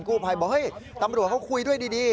กู้ภัยบอกเฮ้ยตำรวจเขาคุยด้วยดี